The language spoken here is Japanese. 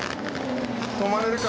止まれるか？